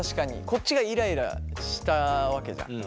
こっちがイライラしたわけじゃん。